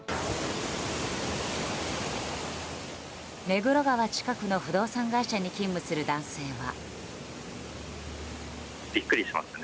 目黒川近くの不動産会社に勤務する男性は。